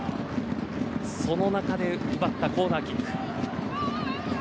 その中で奪ったコーナーキック。